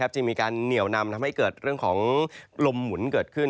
จึงมีการเหนียวนำทำให้เกิดเรื่องของลมหมุนเกิดขึ้น